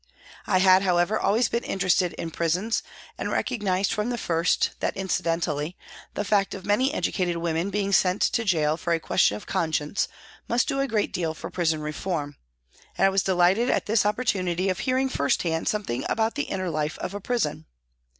I had, however, always been interested in prisons and recognised from the first that, incidentally, the fact of many educated women being sent to gaol for a question of conscience must do a great deal for prison reform, and I was delighted at this opportunity of hearing first hand something about the inner life of a prison.